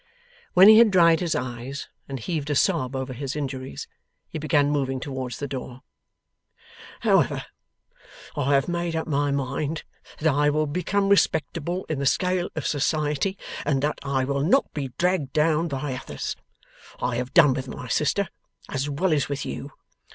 When he had dried his eyes and heaved a sob over his injuries, he began moving towards the door. 'However, I have made up my mind that I will become respectable in the scale of society, and that I will not be dragged down by others. I have done with my sister as well as with you.